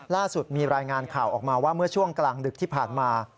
ล่าสุดมีรายงานข่าวออกมาว่าเมื่อช่วงกลางดึกที่ผ่านมา